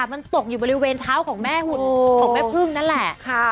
มันตกอยู่บริเวณเท้าของแม่หุ่นของแม่พึ่งนั่นแหละ